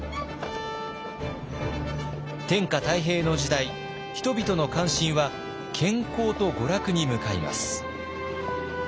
天下太平の時代人々の関心は健康と娯楽に向かいます。